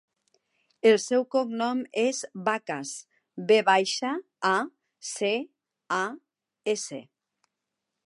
El seu cognom és Vacas: ve baixa, a, ce, a, essa.